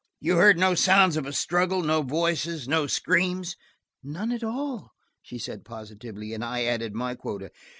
"You heard no sound of a struggle? No voices? No screams?" "None at all," she said positively. And I added my quota.